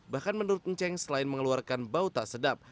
bahkan menurut nceng selain mengeluarkan bau tak sedap